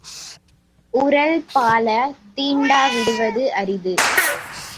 உறள் பால தீண்டா விடுவது அரிது.